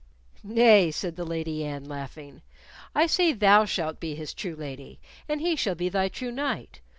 "Nay," said the Lady Anne, laughing; "I say thou shalt be his true lady, and he shall be thy true knight.